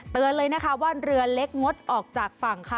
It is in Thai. เลยนะคะว่าเรือเล็กงดออกจากฝั่งค่ะ